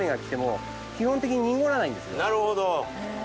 なるほど。